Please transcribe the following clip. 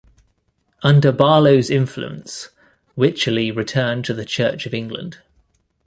Under Barlow's influence, Wycherley returned to the Church of England.